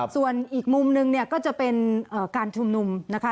ส่วนอีกมุมนึงเนี่ยก็จะเป็นการชุมนุมนะคะ